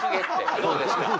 どうですか？